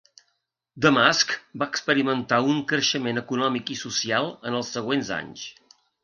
Damasc va experimentar un creixement econòmic i social en els següents anys.